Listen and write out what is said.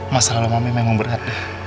masalah mami memang berat